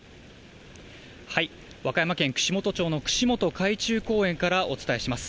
はい、和歌山県串本町の串本海中公園からお伝えします。